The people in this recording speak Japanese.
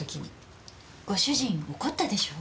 ご主人怒ったでしょう？